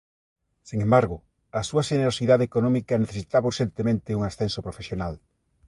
Sen embargo, a súa xenerosidade económica necesitaba urxentemente un ascenso profesional.